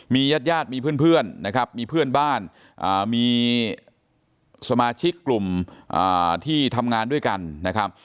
ญาติญาติมีเพื่อนนะครับมีเพื่อนบ้านมีสมาชิกกลุ่มที่ทำงานด้วยกันนะครับ